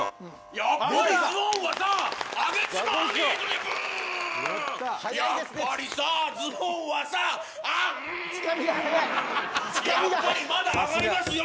やっぱりまだ上がりますよ